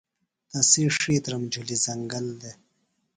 تسی ڇِھیترم جُھلیۡ زنگل دےۡ۔